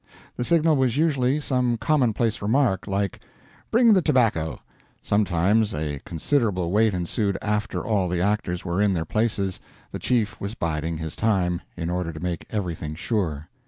The signal was usually some commonplace remark, like "Bring the tobacco." Sometimes a considerable wait ensued after all the actors were in their places the chief was biding his time, in order to make everything sure.